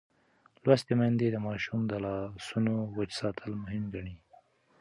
لوستې میندې د ماشومانو د لاسونو وچ ساتل مهم ګڼي.